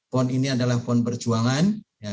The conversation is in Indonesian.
pon ini adalah pon perjuangan